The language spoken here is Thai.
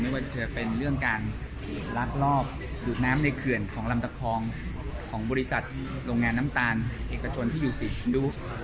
ว่าจะเป็นเรื่องการลักลอบดูดน้ำในเขื่อนของลำตะคองของบริษัทโรงงานน้ำตาลเอกชนที่อยู่สีดุ